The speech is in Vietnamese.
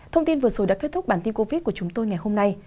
thông tin vừa rồi đã kết thúc bản tin covid của chúng tôi ngày hôm nay